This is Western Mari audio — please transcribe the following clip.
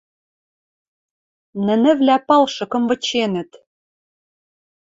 Нӹнӹвлӓ палшыкым выченӹт